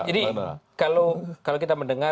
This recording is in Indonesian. jadi kalau kita mendengar